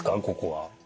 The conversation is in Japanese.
ここは。